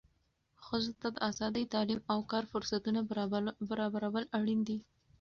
ښځو ته د آزادۍ، تعلیم او کار فرصتونه برابرول اړین دي.